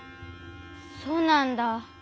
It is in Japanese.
そうなんだ。